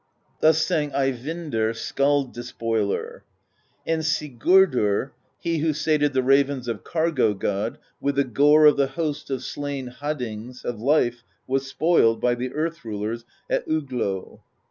Thus sang Eyvindr Skald Despoiler: And Sigurdr, He who sated the ravens Of Cargo God With the gore of the host Of slain Haddings Of life was spoiled By the earth rulers At Oglo.